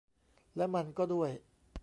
และมันก็ด้วย